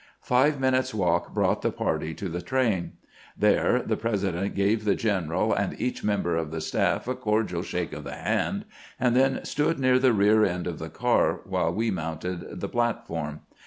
Five min utes' walk brought the party to the train. There the President gave the general and each member of the staff a cordial shake of the hand, and then stood near the rear end of the car while we mounted the platform.